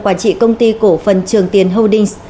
quản trị công ty cổ phần trường tiến holdings